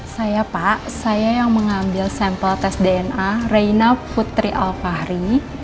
saya pak saya yang mengambil sampel tes dna reina putri alfahri